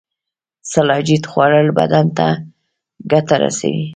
سلاجید خوړل بدن ته ګټه رسوي